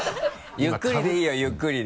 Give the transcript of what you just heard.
ゆっくりでいいよゆっくりで。